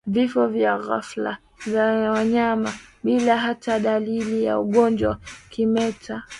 Vifo vya ghafla vya wanyama bila hata dalili ya ugonjwa wa kimeta